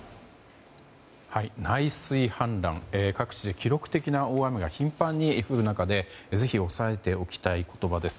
内水氾濫各地で記録的な大雨が頻繁に降る中でぜひ押さえておきたい言葉です。